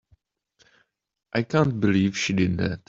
I can't believe she did that!